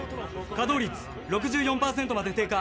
稼働率６４％まで低下。